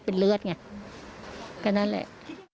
คือนั่นแหละ